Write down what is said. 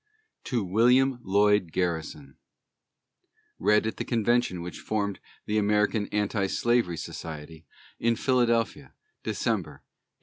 TO WILLIAM LLOYD GARRISON [Read at the Convention which formed the American Anti Slavery Society, in Philadelphia, December, 1833.